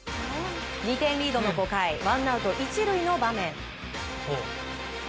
２点リードの５回ワンアウト１塁の場面。